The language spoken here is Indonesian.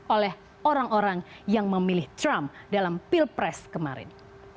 oleh orang orang yang memilih trump dalam pilpres kemarin